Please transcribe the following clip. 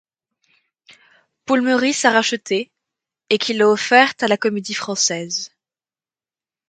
Paul Meurice a rachetée, et qu'il a offerte à la Comédie-Française.